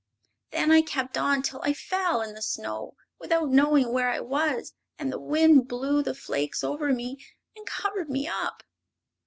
Then I kept on till I fell in the snow, without knowing where I was, and the wind blew the flakes over me and covered me up."